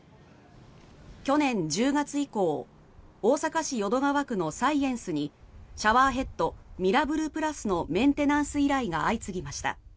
去年１０月以降大阪市淀川区のサイエンスにシャワーヘッドミラブルｐｌｕｓのメンテナンス依頼が相次ぎました。